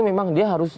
memang dia harus